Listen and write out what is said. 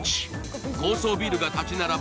高層ビルが立ち並ぶ